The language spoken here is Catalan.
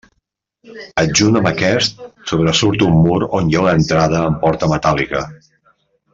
Adjunt amb aquest sobresurt un mur on hi ha una entrada amb porta metàl·lica.